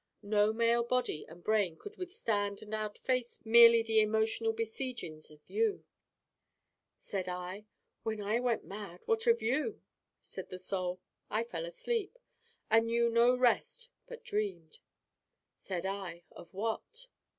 No male body and brain could withstand and outface merely the emotional besiegings of you.' Said I: 'When I went mad, what of you?' Said the Soul: 'I fell asleep, and knew no rest, but dreamed.' Said I: 'Of what?